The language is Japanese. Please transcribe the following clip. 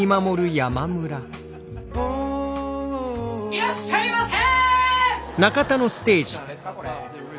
いらっしゃいませ。